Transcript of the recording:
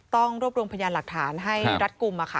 ต้องลบโดรงพยายามหลักฐานให้รัฐกลุ่ม